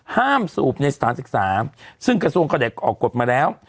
สูบในสถานศึกษาซึ่งกระทรวงก็ได้ออกกฎมาแล้ว